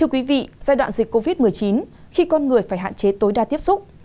giai đoạn dịch covid một mươi chín khi con người phải hạn chế tối đa tiếp xúc